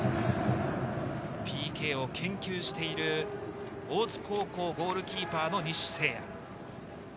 ＰＫを研究している大津高校・ゴールキーパーの西星哉。